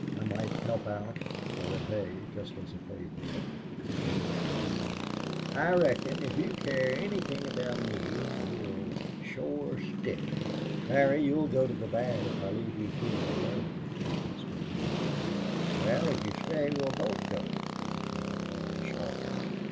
I might help out for a day just as a favor. But " Neale shook his head. "I reckon, if you care anythin' aboot me, you'll shore stick." "Larry, you'll go to the bad if I leave you here alone," protested Neale. "Wel, if you stay we'll both go," replied Larry, sharply.